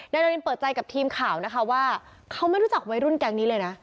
นารินเปิดใจกับทีมข่าวนะคะว่าเขาไม่รู้จักวัยรุ่นแก๊งนี้เลยนะ